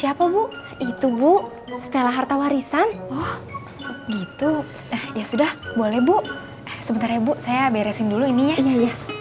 itu bu stella harta warisan oh gitu ya sudah boleh bu sementara bu saya beresin dulu ini ya